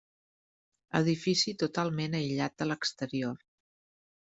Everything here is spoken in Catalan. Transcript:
Edifici totalment aïllat de l'exterior.